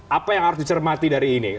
apa yang harus dicermati dari ini